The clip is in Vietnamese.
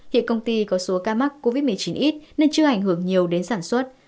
hiện công ty có số ca mắc covid một mươi chín ít nên chưa ảnh hưởng nhiều đến sản xuất